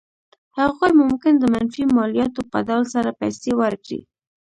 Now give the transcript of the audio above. هغوی ممکن د منفي مالیاتو په ډول سره پیسې ورکړي.